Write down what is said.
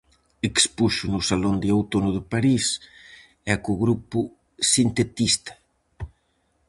Expuxo no Salón de Outono de París e co grupo sintetista.